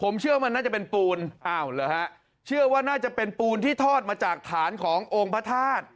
ล้านเปอร์เซ็นต์